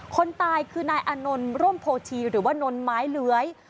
คนตายคือนายอานนท์ร่มโพชีหรือว่านนไม้เลื้อย